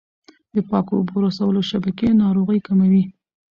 د پاکو اوبو رسولو شبکې ناروغۍ کموي.